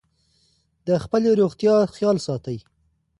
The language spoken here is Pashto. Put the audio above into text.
د خپلې روغتیا خیال ساتئ.